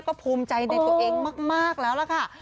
ก็ภูมิใจในตัวเองมากแล้วล่ะค่ะ